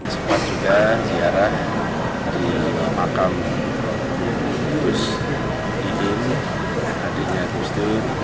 suka juga ziarah di makam gus ibin adiknya gustu